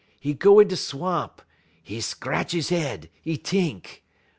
'E go in da swamp; 'e scratch 'e head; 'e t'ink.